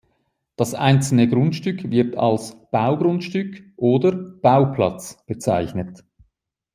Das einzelne Grundstück wird als "Baugrundstück" oder "Bauplatz" bezeichnet.